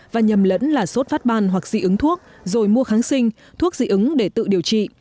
và nhầm lẫn là sốt phát ban hoặc dị ứng thuốc rồi mua kháng sinh thuốc dị ứng để tự điều trị